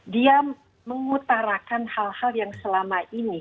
dia mengutarakan hal hal yang selama ini